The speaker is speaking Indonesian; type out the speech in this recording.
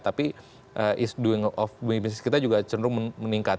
tapi is doing of doing business kita juga cenderung meningkat